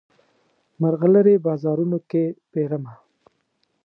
مرغلرې بازارونو کې پیرمه